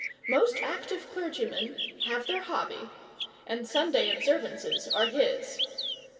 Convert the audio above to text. Most active clergymen have their hobby, and Sunday observances are his.